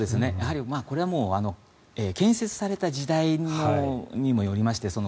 これはもう建設された時代にもよりまして